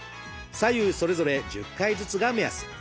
左右それぞれ１０回ずつが目安。